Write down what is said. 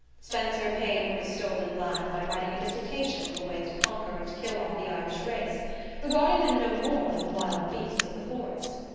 Spenser paid for his stolen land by writing a dissertation on the way to conquer and kill off the Irish race, regarding them no more than the wild beasts of the forest.